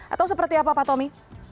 atau seperti apa pak tommy